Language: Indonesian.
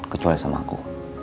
kecuali sama aku